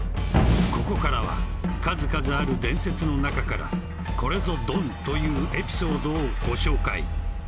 ここからは数々ある伝説の中からこれぞドンというエピソードをご紹介